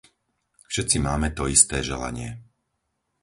Všetci máme to isté želanie.